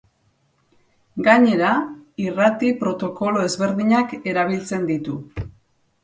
Gainera, irrati protokolo ezberdinak erabiltzen ditu.